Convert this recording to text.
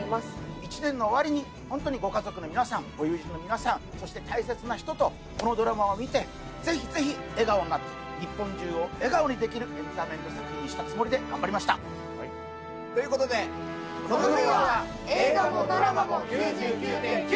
１年の終わりにご家族の皆さんご友人の皆さんそして大切な人とこのドラマを見てぜひぜひ笑顔になって日本中を笑顔にできるエンターテインメント作品にしたつもりで頑張りましたということでマジ？